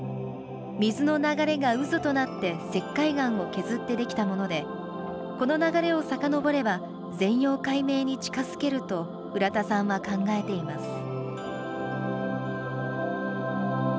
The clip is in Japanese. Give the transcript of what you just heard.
水の流れが渦となって石灰岩を削って出来たもので、この流れをさかのぼれば全容解明に近づけると浦田さんは考えています。